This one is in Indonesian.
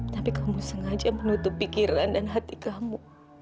tapi kamu sengaja menutup pikiran dan hati kamu